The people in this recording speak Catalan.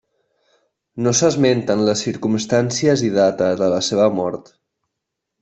No s'esmenten les circumstàncies i data de la seva mort.